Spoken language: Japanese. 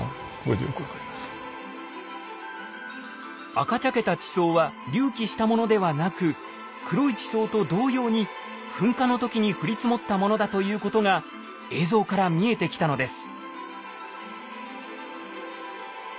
赤茶けた地層は隆起したものではなく黒い地層と同様に噴火の時に降り積もったものだということが映像から見えてきたのです。